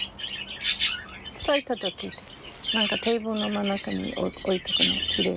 咲いた時何かテーブルの真ん中に置いとくのきれい。